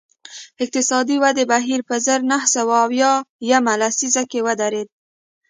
د اقتصادي ودې بهیر په زر نه سوه اویا یمه لسیزه کې ودرېد